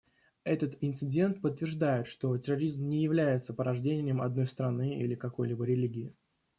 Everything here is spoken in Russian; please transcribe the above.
Этот инцидент подтверждает, что терроризм не является порождением одной страны или какой-либо религии.